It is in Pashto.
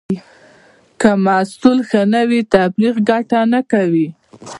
که محصول ښه نه وي، تبلیغ ګټه نه کوي.